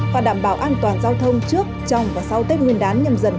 và đảm bảo an toàn giao thông trước trong và sau tết nguyên đán nhầm dần hai nghìn hai mươi hai